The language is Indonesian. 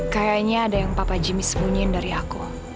kayaknya ada yang papa jimmy sembunyiin dari aku